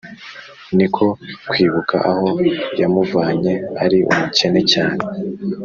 niko kwibuka aho yamuvanye ari umukene cyane